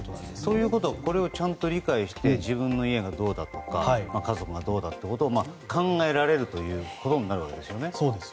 ということはこれをちゃんと理解してどうだとか家族がどうだということを考えられるということですね。